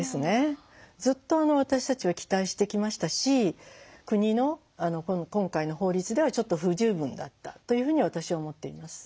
ずっと私たちは期待してきましたし国の今回の法律ではちょっと不十分だったというふうに私は思っています。